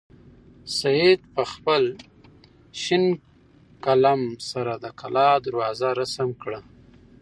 سعید په خپل شین قلم سره د کلا دروازه رسم کړه.